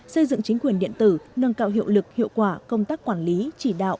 xây dựng chính quyền điện tử nâng cao hiệu lực hiệu quả công tác quản lý chỉ đạo